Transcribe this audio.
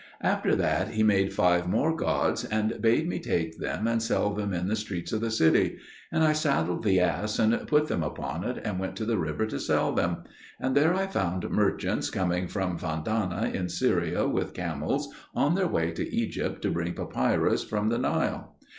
After that he made five more gods, and bade me take them and sell them in the streets of the city; and I saddled the ass, and put them upon it, and went to the river to sell them; and there I found merchants coming from Fandana in Syria with camels, on their way to Egypt to bring papyrus from the Nile.